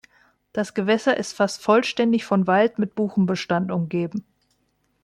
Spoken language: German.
Das Gewässer ist fast vollständig von Wald mit Buchenbestand umgeben.